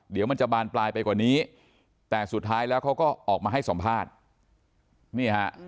เดี๋ยวมันจะบานปลายไปกว่านี้แต่สุดท้ายแล้วเขาก็ออกมาให้สัมภาษณ์นี่ฮะ